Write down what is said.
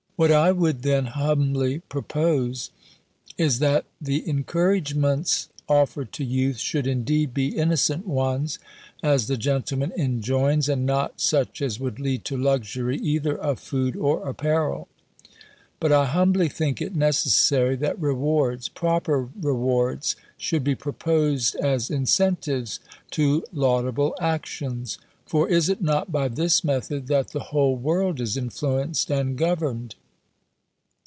What I would then humbly propose, is, that the encouragements offered to youth, should, indeed, be innocent ones, as the gentleman enjoins, and not such as would lead to luxury, either of food or apparel; but I humbly think it necessary, that rewards, proper rewards, should be proposed as incentives to laudable actions: for is it not by this method that the whole world is influenced and governed?